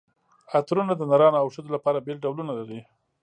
عطرونه د نرانو او ښځو لپاره بېل ډولونه لري.